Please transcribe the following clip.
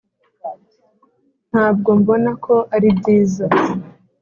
ntabwo mbona ko ari byiza.